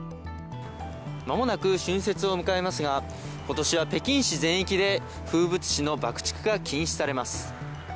間もなく春節を迎えますが、今年は北京市全域で風物詩の爆竹が禁止されます。